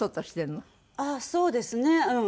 ああそうですねうん。